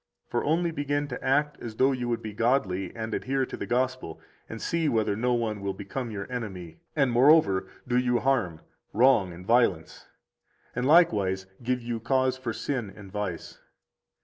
For only begin to act as though you would be godly and adhere to the Gospel, and see whether no one will become your enemy, and, moreover, do you harm, wrong, and violence, and likewise give you cause for sin and vice.